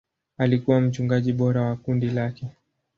Alikuwa mchungaji bora wa kundi lake.